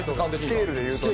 スケールで言うとね。